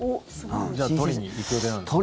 じゃあ取りに行く予定なんですか？